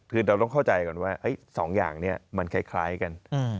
คือเราต้องเข้าใจก่อนว่า๒อย่างนี้มันคล้ายกัน